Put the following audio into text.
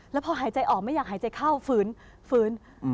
แล้วพอหายใจออกไม่อยากหายใจเข้าฝืนฝืน